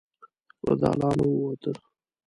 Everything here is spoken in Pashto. له دالانه ووته.